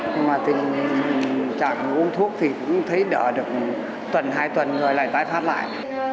nhưng mà tình trạng uống thuốc thì cũng thấy đỡ được tuần hai tuần rồi lại tái phát lại